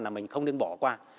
là mình không nên bỏ qua